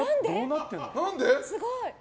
すごい。